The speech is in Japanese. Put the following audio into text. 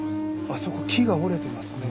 あそこ木が折れてますね。